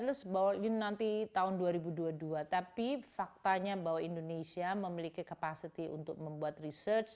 tidak kira nanti tahun dua ribu dua puluh dua tapi faktanya bahwa indonesia memiliki kapasitas untuk membuat research